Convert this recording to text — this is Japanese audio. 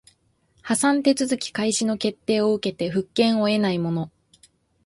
破産手続開始の決定を受けて復権を得ない者